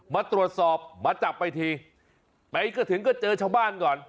มาตรวจสอบมาจับไปทีไปก็ถึงก็เจอชาวบ้านก่อน